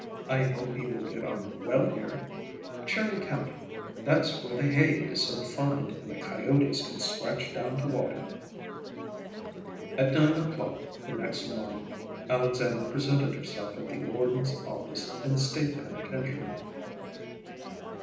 I hope he will get on well here. Cherry County; that's where the hay is so fine, and the coyotes can scratch down to water." At nine o'clock the next morning Alexandra presented herself at the warden's office in the State Penitentiary.